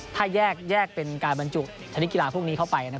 ถ้าแยกเป็นการบรรจุชนิดกีฬาพวกนี้เข้าไป